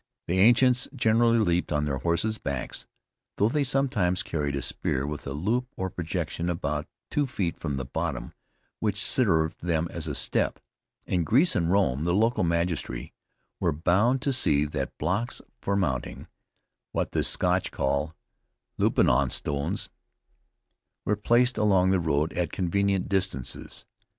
The ancients generally leaped on their horse's backs, though they sometimes carried a spear, with a loop or projection about two feet from the bottom which served them as a step. In Greece and Rome, the local magistracy were bound to see that blocks for mounting (what the Scotch call loupin on stanes) were placed along the road at convenient distances.